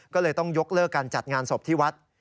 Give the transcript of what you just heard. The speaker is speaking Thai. ก็เลยต้องยกเลิกการจัดงานศพที่วัด